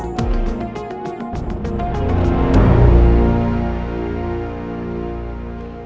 ntar nak hai